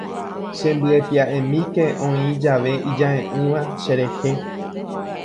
Chembyetia'emíke oĩ jave ijae'ỹva cherehe.